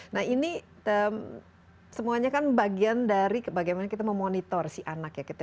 nah ini semuanya kan bagian dari bagaimana kita memonitor si anak ya kita